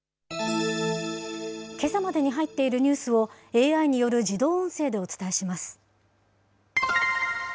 けさまでに入っているニュースをＡＩによる自動音声でお伝えします。